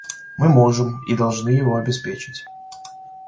Мы можем и должны его обеспечить.